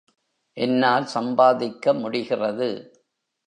என்னால் சம்பாதிக்க முடிகிறது.